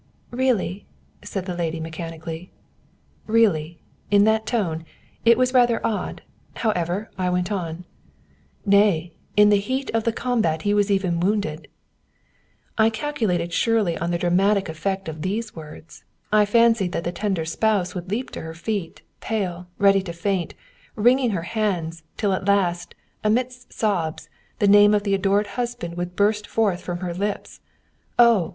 "Really?" said the lady mechanically. ("Really?" In that tone? It was rather odd. However, I went on.) "Nay, in the heat of the combat he was even wounded." (I calculated surely on the dramatic effect of these words. I fancied that the tender spouse would leap to her feet, pale, ready to faint, wringing her hands, till at last, amidst sobs, the name of the adored husband would burst forth from her lips: "Oh!